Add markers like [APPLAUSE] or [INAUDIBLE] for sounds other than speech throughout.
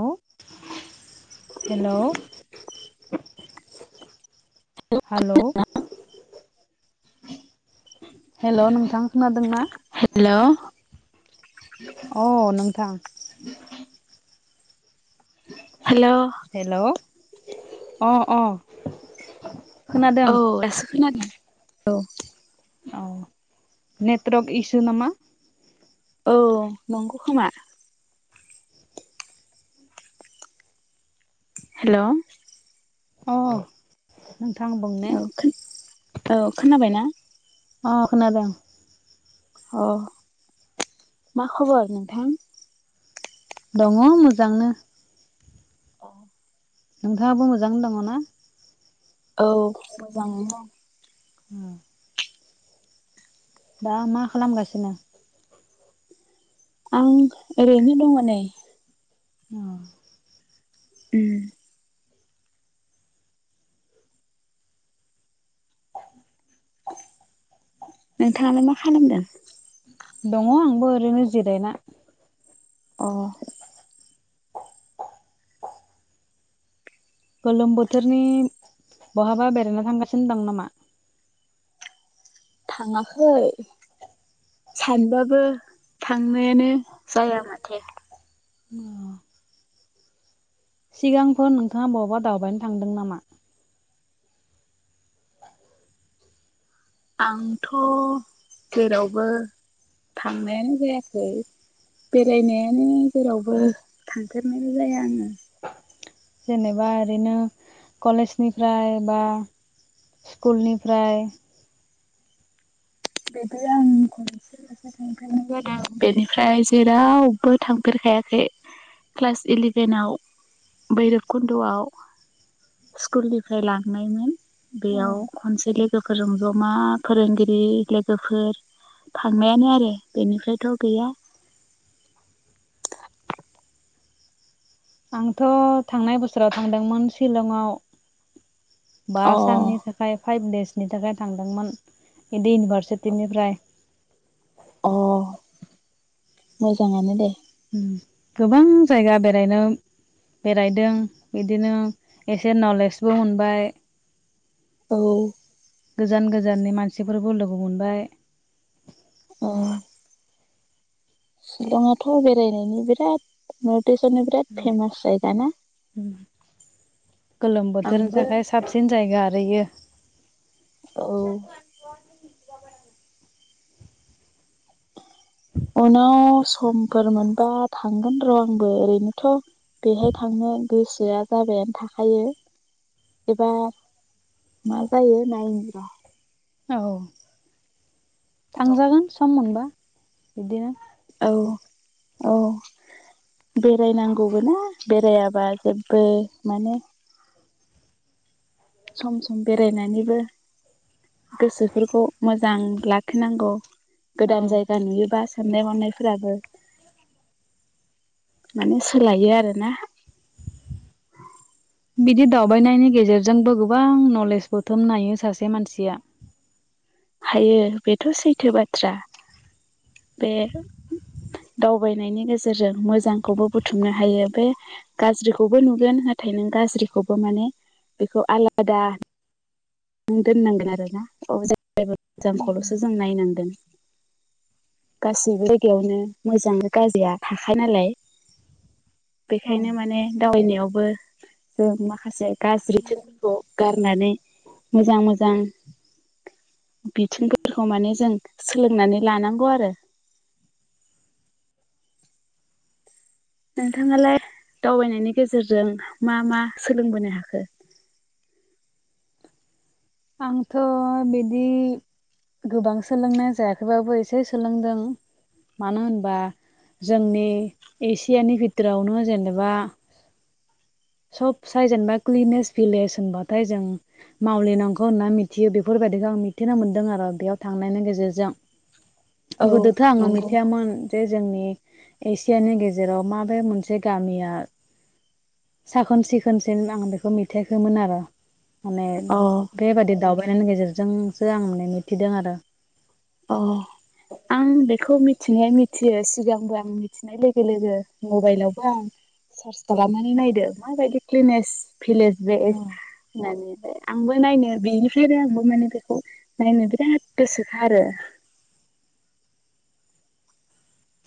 हेल' hello hello hello नोंथां खोनादों ना? हेलौ अ नोंथां हेल' हेल' अ अ खोनादों औ दासो खोनादों औ अ नेट्रक इसु नामा औ नंगौ खोमा हेल' अ नोंथां बुंनाय खो औ खोनाबायना? अ खोनादोंं। अ मा खबर नोंथां? दङ मोजांनो औ नोंथाङाबो मोजां दङना? औ मोजाङैनो दं अ दा मा खालामगासिनो? आं ओरैनो दङ नै अ उम नोंथाङालाय मा खालामदों? दङ आंबो ओरैनो जिरायना। अ गोलोम बोथोरनि बहाबा बेरायनो थांगासिनो दं नामा? थाङाखै। सानबाबो थांनायानो जाया माथो। अ सिगांफोर नोंथाङा बबावबा दावबायनो थांदों नामा आंथ' जेरावबो थांनायानो जायाखै बेरायनायानो जेरावबो थांफेरनाय जाया आङो जेनेबा ओरैनो कलेजनिफ्राय बा स्कुलनिफ्राय [UNINTELLIGIBLE] थांफेरनाय जादों बेनिफ्राय जेरावबो थांफेरखायाखै क्लास इलेभेनाव बैरब कुन्द'आव स्कुलनिफ्राय लांनायमोन औ बेयाव खनसे लोगोफोरजों ज'मा फोरोंगिरि, लो गोफोर थांनायानो आरो बेनिफ्रायथ' गैया आंथ' थांनाय बोसोराव थांदोंमोन शिलंआव बा अ साननि थाखा फाइभ देसनि थाखाय थांदोंमोन बिदि इउनिभारसिटिनिफ्राय अ मोजाङानो दे गोबां जायगा बेरायनो बेरायदों बिदिनो एसे नलेजबो मोनबाय औ गोजान गोजाननि मानसिफोरबो लोगो मोनबाय औ शिलंआथ' बेरायनायनि बिराद नटिसनि बिराद फेमास जायगा ना गोलोम बोथोरनि आंबो थाखाय साबसिन जायगा आरो इयो औ उनाव समफोर मोनबा थांगोन र' आंबो ओरैनोथ' बेहाय थांनो गोसोआ जाबायानो थाखायो एबार मा जायो नायनिर' औ थांजागोन सम मोनबा बिब्दिनो औ औ बेरायनांगौबोना बेरायाबा जेबबो माने सम सम बेरायनानैबो गोसोफोरखौ मोजां लाखिनांगौ गोदान औ जायगा नुयोबा साननाय-हनायफोराबो माने सोलायो आरोना बिदि दावबायनायनि गेजेरजोंबो गोबां नलेज बुथुम नायो सासे मानसिया हायो बेथ' सैथो बाथ्रा बे दावबायनायनि गेजेरजों मोजांखौबो बुथुमनो हायो बे गाज्रिखौबो नुगोन नाथाय नों गाज्रिखौबो माने बेखौ आलादा नों दोननांगोन आरोना अ जेब्लायबो मोजांखौल'सो जों नायनांगोन गासैबो जायगायावनो मोजां गाज्रिया थाखायो नालाय [INAUDIBLE] बेखायनो माने दावबायनायावबो जों माखासे गाज्रि बिथिंफोरखौ गारनानै मोजां मोजां बिथिंफोरखौ माने जों सोलोंनानै लानांगौ आरो नोंथाङालाय दावबायनायनि गेजेरजों मा मा सोलोंबोनो हाखो? आंथ' बिदि गोबां सोलोंनाय जायाखैबाबो इसे सोलोंदों मानो होनबा जोंनि एसियानि भिटोरावनो जेनेबा सब साय जेनेबा क्लिनेस भिलेज होनबाथाय जों मावलेनांगौ खौ होनना मिथियो बेफोरबायदिखौ आं मिथिनो मोन्दों आरो बेयाव थांनायनि गेजेरजों औ गोदोथ' आङो नंगौ मिथियामोन जे जोंनि एसियानि गेजेराव माबे मोनसे गामिया साखोन-सिखोनसिन आं बेखौ मिथियाखैमोन आरो माने अ बेबादि दावबायनायनि गेजेरजोंसो आं माने मिथिदों आरो अ आं बेखौ मिथिनाया मिथियो सिगांबो आं मिथि नाय लोगो लोगो मबाइलावबो आं सार्च खालामनानै नायदो माबायदि क्लिनेस भिलेस जे होननानैहाय आंबो नायनो बेनिफ्राय आरो आंबो माने बेखौ नायनो बिराद गोसोखा आरो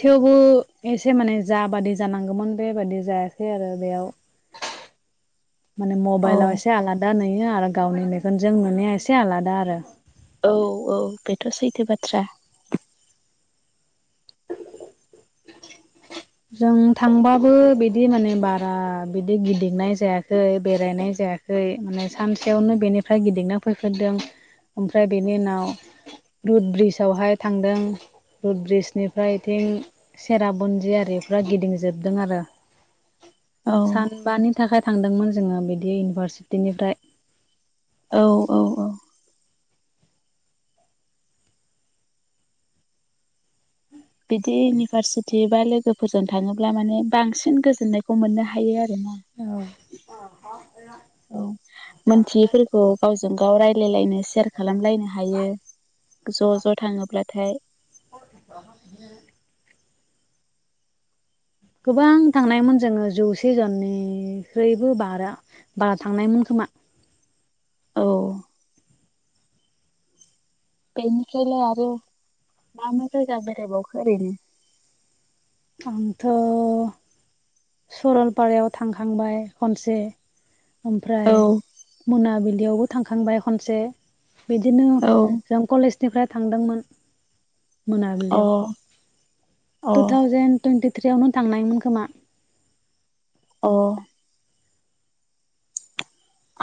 थेवबो एसे माने जा बादि जानांगौमोन बेबादि जायाखै आरो बेयाव [INAUDIBLE] माने औ मबाइलाव एसे आलादा नुयो आरो गावनि मेगनजों नुनाया एसे आलादा आरो औ औ बेथ' सैथो बाथ्रा जों थांबाबो बिदि माने बारा बिदि गिदिंनाय जायाखै बेरायनाय जायाखै खै माने सानसेयावनो बेनिफ्राय गिदिंना फैफोदों ओमफ्राय बेनि उनाव बे ब्रिजावहाय थांदों बे ब्रिजनिफ्राय इथिं सेराबन्जियारिफ्राव गिदिंजोबदों आरो औ सानबानि थाखाय थांदोंमोन जोङो बिदि इउनिभारसिटिनिफ्राय औ औ औ बिदि इउनिभारसिटि बा लोगोफोरजों थाङोब्ला माने बांसिन गोजोननायखौ मोननो हायो आरो ना औ [UNINTELLIGIBLE] औ मोनथियैफोरखौ गावजों गाव रायजलायलायनो सेयार खालामलायनो हायो ज' ज' थाङोब्लाथाय [INAUDIBLE] गोबां थांनायमोन जोङो जौसे जननिख्रुइबो बारा दा थांनायनि‌ खोमा औ बेनिफ्रायलाय आरो मा मा जायगा बेरायबावखो ओरैनो आंथ' सरलपारायाव थांखांबाय खनसे औ ओमफ्राय मोनाबिलियावबो थांखांबाय खनसे बिदिनो जों कलेजनिफ्राय थांदोंमोन अ मोनाबिलियाव अ जों टुइन्टिथ्रियावनो थांनायमोन खोमा औ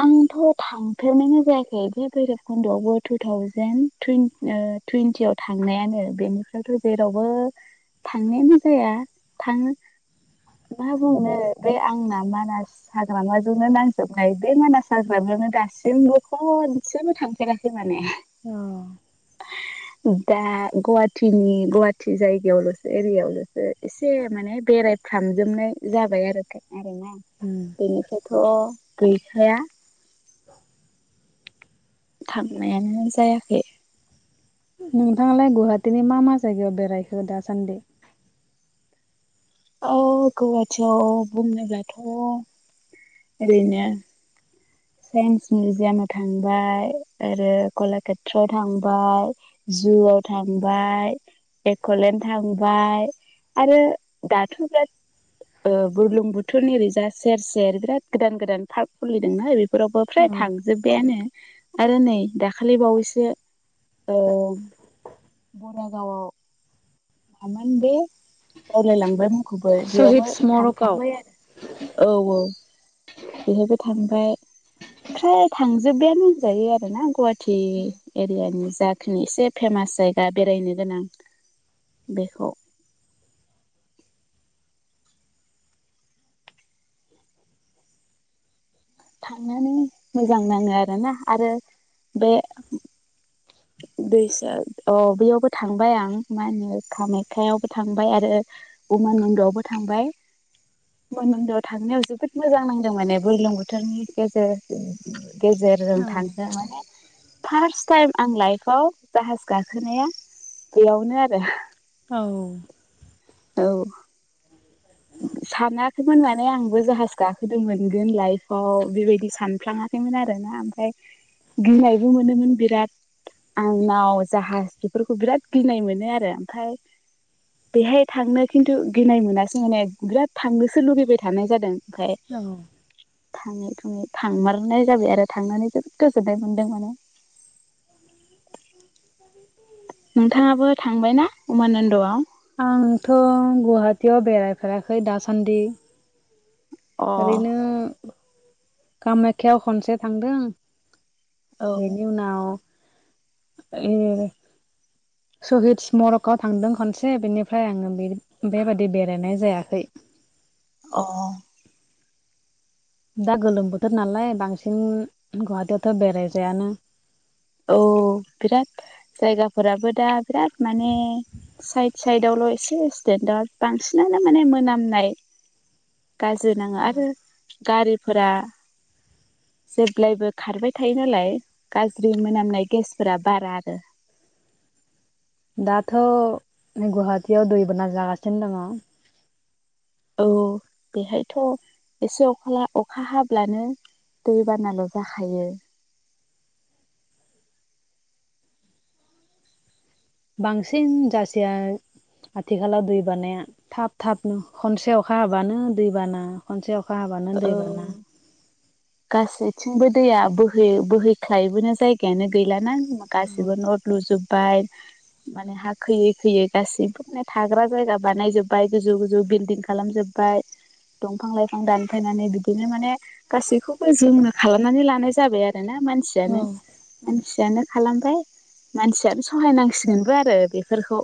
आंथ' थांफेरनायानो जायाखै बे भैरब खुन्द'आवबो टु थावजेेन टुइन ओ टुइन्टियाव थांनायानो बेनिफ्रायथ' जेरावबो थांनायानो जाया थाङो मा बुंनो बे आंना मानास हाग्रामाजोंनो नांजोबनाय बे मानास हाग्रामायावनो दासिमबो खनसेबो थांफेराखै माने औ दा गुवाहाटिनि गुवाहाटि जायगायावल'सो एरियायावल'सो एसे माने बेरायफ्रामजोबनाय जाबाय आरो खाय आरोना बेनिफ्रायथ' गैखाया थांनायानो जायाखै नोंथाङालाय गुवाहाटीनि मा मा जायगायाव बेरायखो दासान्दि? औ गुवाहाटियाव बुंनोब्लाथ' ओरैनो साइन्स मिउजियामाव थांबाय आरो कलाकेत्रआव थांबाय जुआव थांबाय एक'लेण्ड थांबाय आरो दाथ' ओ बुरलुंबुथुरनि ओरैजा सेर सेर बिराद गोदान गोदान पार्क खुलिदोंना बेफोरावबो फ्राय थांजोब बायानो आरो नै दाखालि बावैसो औ बरागावाव मामोन बे बावलायलांबाय मुंखौबो सहिद बेयावबो स्मरकआव थांखांबाय आरो औ औ बेहायबो थांबाय फ्राय थांजोबबायानो होनजायो आरो ना गुवाहाटि एरियानि जाखिनि एसे फेमास जायगा बेरायनो गोनां बेखौ थांनानै मोजां नाङो आरोना आरो बे दैसा औ बेयावबो थांबाय आं मा होनो कामाखायावबो थांबाय आरो उमा नन्दआवबो थांबाय उमा नन्दआव थांनायाव जोबोद मोजां नांदों माने बुरलुंबुथुर बोथोरनि गेजेर गेजेरजों थांनो माने फार्स टाइम आं लाइफआव जाहाज गाखोनाया बेयावनो आरो औ औ औ सानाखैमोन माने आंबो जाहाज गाखोदों मोनगोन लाइफआव बेबायदि सानफ्लाङा मोनाखै आरो ना ओमफ्राय गिनायबो मोनोमोन बिराद आं नाव जाहाज बेफोरखौ बिराद गिनाय मोनो आरो ओमफ्राय बेहाय थांनो खिन्थु गिनाय मोनासै माने बिराद थांनोसो लुुबैबाय थानाय जादों ओमफ्राय औ थाङै थुङै थांमारनाय जाबाय आरो थांनानै जोबोद गोजोन्नाय मोन्दों माने नोंथाङाबो थांबाय ना उमानन्दआव आंथ' गुवाहाटियाव बेरायफेराखै दासान्दि अ ओरैनो कामाख्यायाव खनसे थांदों औ बेनि उनाव ए सहिद स्मरकाव थांदों खनसे बेनिफ्राय आङो बे बेबादि बेरायनाय जायाखै अ दा गोलोम बोथोर नालाय बांसिन गुवाहाटियावथ' बेरायजायानो औ बिराद जायगाफोराबो दा बिराद माने साइद साइदावल' एसे एक्सिडेन्टआव बांसिनानो माने मोनामनाय गाज्रि नाङो आरो गारिफोरा जेब्लायबो खारबाय थायो नालाय ज्रि मोनामनाय गेसफोरा बारा आरो दाथ' गुवाहाटियाव दैबाना जागासिनो दङ औ बेहायथ' एसे अखा अखा हाब्लानो दै बानाल' जाखायो बांसिन जासेया आथिखालाव दै बानाया थाब थाबनो खनसे अखा हाबानो दैबाना खनसे अखा हाबानो औ दैबाना गासैथिंबो दैया बोहै बोहैख्लायबोनो जायगायानो गैलाना गाससिबो न' लुजोब्बाय माने हा खोयै खोयै गासिबो माने थाग्रा जायगा बानायजोब्बाय गोजौ गोजौ बिल्दिं खालामजोब बाय दंफां लाइफां दानफायनानै बिदिनो माने गासैखौ बो जोंनो खालामनानै लानाय जाबाय आरो ना औ मानसियानो मानसियानो खालामबाय मानसियानो सहायनांसिगोनबो आरो बेफोरखौ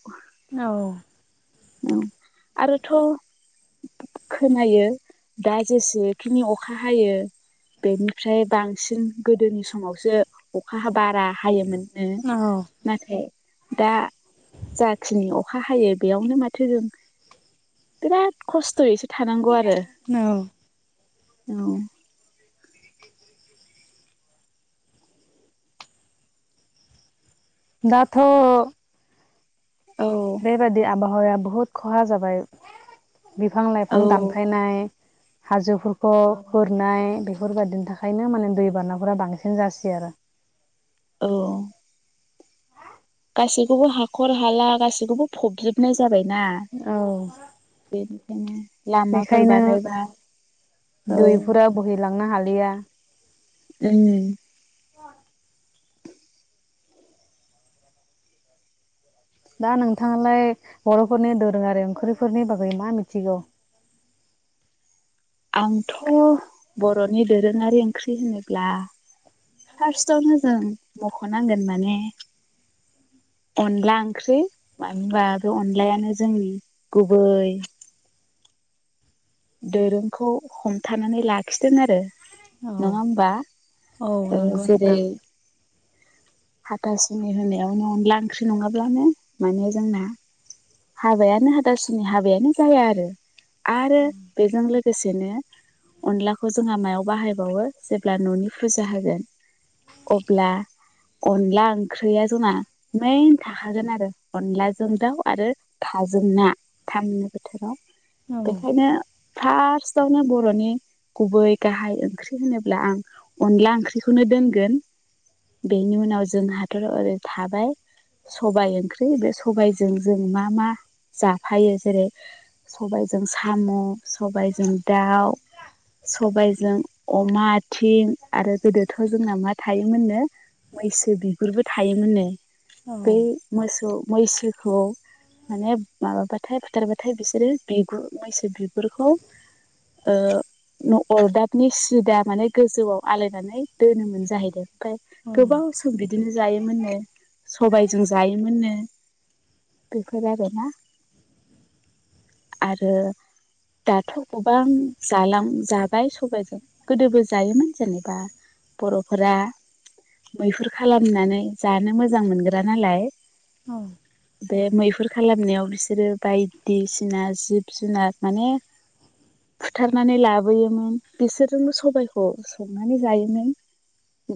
औ औ आरोथ' खोनायो दा जेसेखिनि अखा हायो बेनिफ्राय बांसिन गोदोनि समावसो अखा हा बारा हायोमोन ओ नाथाय दा जाखिनि अखा हायो बेयावनो माथो जों बिराद खस्थ'यैसो थानांगौ आरो औ औ दाथ' बेबादि आबहावाया बुहुद खहा जाबाय बिफां लाइफां औ दानफायनाय हाजोफोरखौ औ खुनाय बे फोरबायदिनि थाखायनो माने दै बाराफोरा बांसिन जासैयो आरो औ गासैखौबो हाख'र हाला गासैखौबो फ'बजोबनाय जाबायना औ बेनिखायनो लामाफोर बेखायनो बानायबा औ दैफोरा बोहैलांनो हालिया ओम दा नोंथाङालाय बर'फोरनि दोरोङारि ओंख्रिफोरनि बागै मा मिथिगौ? आंथ' बर'नि दोरोङारि ओंख्रि होनोब्ला फार्सटावनो जों मख'नांगोन माने अनला ओंख्रि मानो होनबा बे अनलायानो जोंनि गुबै दोरोंखौ हमथानानै लाखिदों आरो औ नङा होमबा औ ओ नंगौ जेरै नोंथां हाथासुनि होनायावनो अनला ओंख्रि नङाब्लानो माने जोंना हाबायानो हाथासुनि हाबायानो जाया आरो आरो बेजों लोगोसेनो अनलाखौ जोंहा मायाव बाहायबावो जेब्ला न'नि फुजा होगोन अब्ला अनला ओंख्रिया जोंना मेन थाखागोन आरो अनलाजों दाउ आरो थाजों ना थानि बोथोराव औ बेखायनो फार्सटावनो बर'नि गुबै गाहाय ओंख्रि होनोब्ला आं अनला ओंख्रिखौनो दोनगोन बेनि उनाव जोंहाथ' ओरै थाबाय स'बाय ओंख्रि बे स'बायजों जों मा मा जाफायो जेरै स'बायजों साम', स'बायजों दाउ स'बायजों अमा आथिं आरो गोदोथ' जोंना मा थायोमोननो मैसो बिगुरबो थायोमोननो दा बै मोसौ मैसोखौ माने माबाबाथाय फुथारबाथाय बिसोरो बिगुर मैसो बिगुरखौ ओ न' अरदाबनि सिदा माने गोजौआव आलायनानै दोनोमोन जाहैदों ओमफाय गोबाव सम बिदिनो जायोमोननो सबायजों जायोमोननो बेफोर आरोना आरो दाथ' गोबां जालां जाबाय स'बाइजों गोदोबो जायोमोन जेनेबा बर'फोरा मैहुर खालामनानै जानो मोजां मोनग्रा नालाय औ बे मैहु हुर खालामनायाव बिसोरो बायदिसिना जिब-जुनार माने फुथारनानै लाबोयोमोन बिसोरजोंबो स'बायखौ संनानै जायोमोन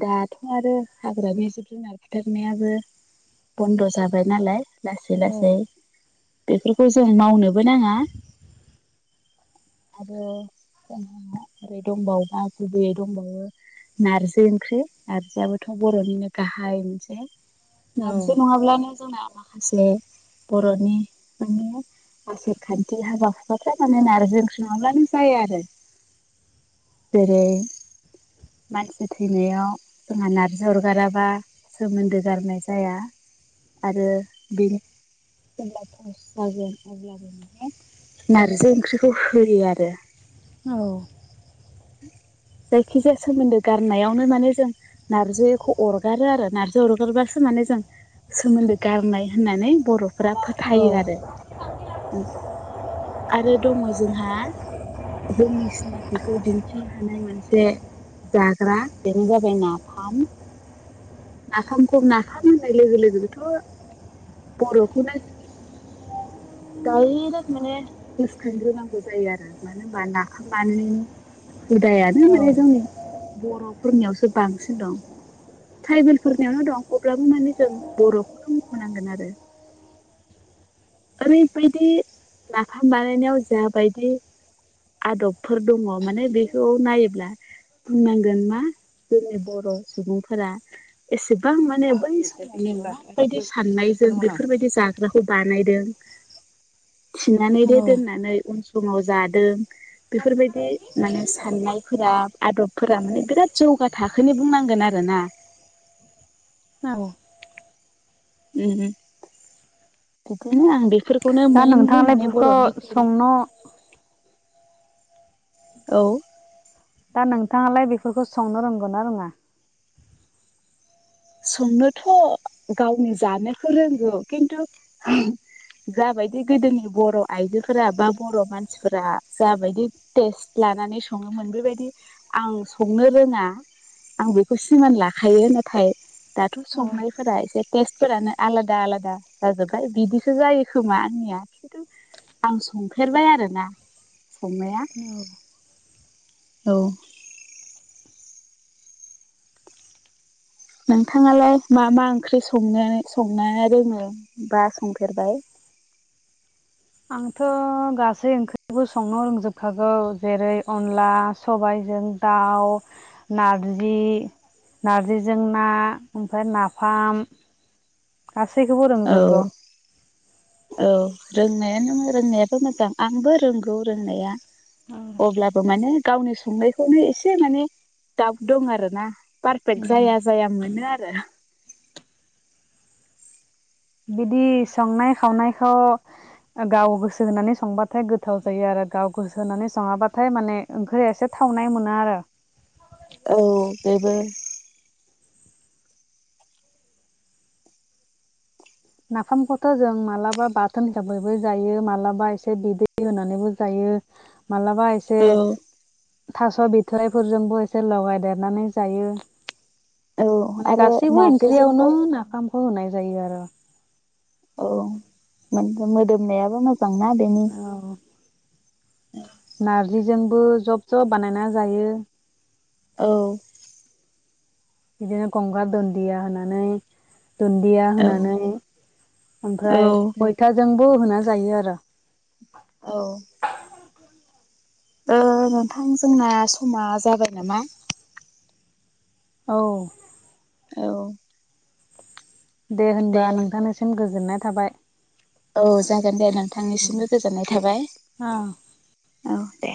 दाथ' आरो हाग्रानि जिब-जुनार फुथारनायाबो बन्द' जाबाय नालाय लासै बेफोरखौ जों मावनोबो नाङा आरो जोंहा ओरै दंबावोबा गुबैयै दंबावो नारजि ओंख्रि नार्जिआबोथ' बर'निनो गाहाय मोनसे नारजि नङाब्लानो जोंना माखासे बर'नि माने आसार-खानथि हाबा हुखाफ्रा माने नार्जि ओंख्रि नङाब्लानो जाया आरो जेरै मानसि थैनायाव जोंहा नारजि अरगाराबा सोमोन्दो गारनाय जाया आरो बेनि जेनबा भ'ज जागोन अब्लाबो नारजि ओंख्रिखौ होयो आरो। औ। जायखिजाया सोमोन्दो गारनायावनो माने जों नारजिखौ अरगारो आरो नारजि अरगारबासो माने जों सोमोन्दो गारनाय होननानै बर'फोरा फोथायो आरो उम। आरो दङ जोंहा जोंनि सिनायथिखौ दिन्थि हानाय मोनसे जाग्रा बेनो जाबाय नाफाम। नाफामखौ नाफाम होननाय लोगो लोगोथ' बर'फोरा दाइरेक माने उसफिग्रोनांगौ जायो आरोना। [INAUDIBLE] हुदायानो माने जोंनि बर'फोरनियावसो बांसिन दं। ट्राइबेलफोरनियावनो दं अब्लाबो माने जों बर'खौनो मख'नांगोन आरो। ओरैबायदि नाफाम बानायनायाव जाबायदि आदबफोर दङ माने बेखौ नायोब्ला बुंनांगोन मा जोंनि बर' सुबुंफोरा एसेबां माने बै समावनो माबायदि साननायजों बेफोरबायदि जा खौ बानायदों थिनानैबो दोननानै उन समाव जादों। बेफोरबायदि माने साननायफोरा आदबफोरा माने बिराद जौगा थाखोनि बुंनांगोन आरोना। औ उम उम बिफोरनो आं बेफोरखौनो मेनलि माने बेफोरखौ बर'नि संनो औ दा नोंथाङालाय बेफोरखौ संनो रोंगोना रोङा? संनोथ' गावनि जानोखौ रोंगौ खिन्थु जाबायदि गोदोनि बर' आइजोफोरा बा बर' मानसिफोरा जाबायदि टेस्ट लानानै सङोमोन बेबायदि आं संनो रोङा। आं बेखौ सिमान लाखायो नाथाय दाथ' संनायफोरा एसे टेस्टफोरानो आलादा आलादा जाजोबबाय बिदिसो जायो खोमा आंनिया। आं संफेरबाय आरोना संनाया। औ नोंथाङालाय मा मा ओंख्रि संनो संनो रोङो बा संफेरबाय? आंथ' गासै ओंख्रिखौबो संनो रोंजोबखागौ जेरै अनला सबाइजों दाउ नारजि नारजिजों ना ओमफ्राय नाफाम गासैखौबो औ रोंजोबगौ। औ रोंनायानो रोंनायाबो मोजां आंबो रोंगौ रोंनाया। अब्लाबो माने गावनि संनायखौनो एसे माने दाउत दं आरोना। पारफेक्ट उम जाया जाया मोनो आरो। बिदि संनाय खावनायखौ गाव गोसो होनानै संबाथाय गोथाव जायो आरो गाव गोसो होनानै सङाबाथाय माने ओंख्रिया एसे थावनाय मोना आरो। औ बेबो नाफामखौथ' जों मालाबा बाथोन हिसाबैबो जायो मालाबा एसे बिदै होनानैबो जायो। मालाबा एसे औ थास' बिथ'राइफोरजोंबो एसे लगायदेरनानै जायो। औ माने आरो गासैबो नारजिजोंबो ओंख्रियावनो नाफामखौ होनाय जायो आरो। औ मोदोमनायाबो मोजांना बेनि औ नारजिजोंबो जब जब बानायना जायो औ बिदिनो गंगार दुन्दिया होनानै दुन्दिया औ होनानै औ ओमफ्राय मैथाजोंबो होना जायो आरो औ नोंथां जोंना समा जाबाय नामा? औ औ दे होनबा नोंथांनिसिम गोजोननाय थाबाय औ जागोन दे उम नोंथांनिसिमबो गोजोननाय थाबाय औ औ दे